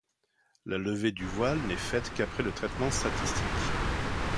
La levée du voile n'est faite qu'après le traitement statistique.